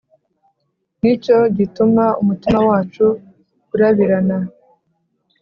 Ni cyo gituma umutima wacu urabirana,